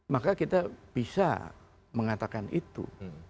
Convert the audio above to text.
maka kita bisa mengatakan itu